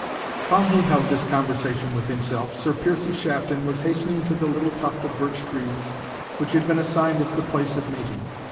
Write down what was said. While he held this conversation with himself, Sir Piercie Shafton was hastening to the little tuft of birch trees which had been assigned as the place of meeting.